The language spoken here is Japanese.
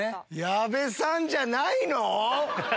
矢部さんじゃないの⁉